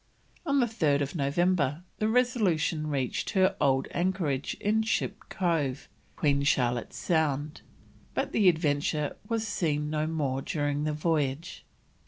On 3rd November the Resolution reached her old anchorage in Ship Cove, Queen Charlotte's Sound; but the Adventure was seen no more during the voyage.